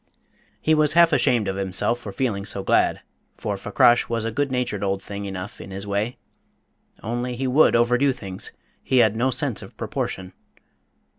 He was half ashamed of himself for feeling so glad, for Fakrash was a good natured old thing enough in his way. Only he would overdo things: he had no sense of proportion.